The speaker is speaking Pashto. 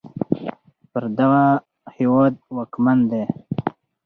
پر دغه هېواد واکمن دی